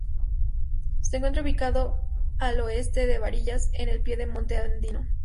Se encuentra ubicado al oeste de Barinas en el pie de monte andino.